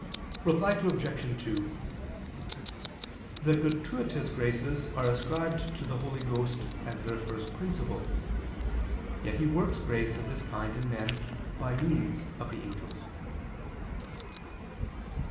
Reply Obj. 2: The gratuitous graces are ascribed to the Holy Ghost as their first principle: yet He works grace of this kind in men by means of the angels.